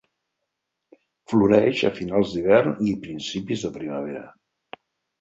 Floreix a finals d'hivern i principis de primavera.